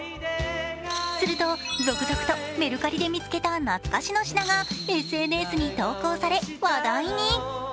すると続々とメルカリで見つけた懐かしの品がＳＮＳに投稿され、話題に。